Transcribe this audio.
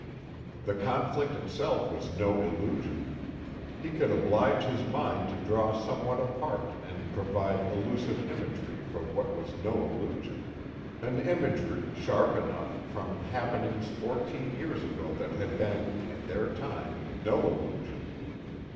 The conflict itself was no illusion. He could oblige his mind to draw somewhat apart and provide illusive imagery for what was no illusion; an imagery, sharp enough, from happenings fourteen years ago that had been (in their time) no illusion.